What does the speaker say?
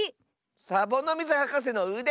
サボノミズはかせのうで！